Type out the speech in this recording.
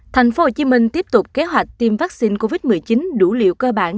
tp hcm tiếp tục kế hoạch tiêm vaccine covid một mươi chín đủ liều cơ bản